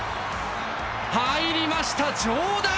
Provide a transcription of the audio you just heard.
入りました上段！